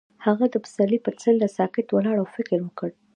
هغه د پسرلی پر څنډه ساکت ولاړ او فکر وکړ.